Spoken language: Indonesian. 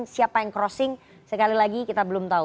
siapa yang crossing sekali lagi kita belum tahu